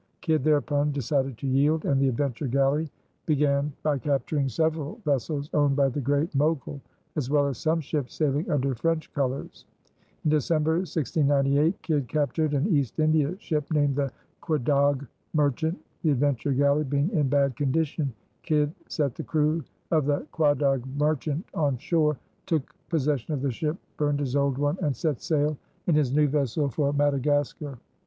Kidd thereupon decided to yield, and the Adventure Galley began by capturing several vessels owned by the Great Mogul, as well as some ships sailing under French colors. In December, 1698, Kidd captured an East India ship named the Quedagh Merchant. The Adventure Galley being in bad condition, Kidd set the crew of the Quedagh Merchant on shore, took possession of the ship, burned his old one, and set sail in his new vessel for Madagascar.